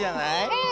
うん。